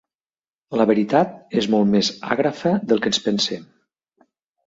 La veritat és molt més àgrafa del que ens pensem.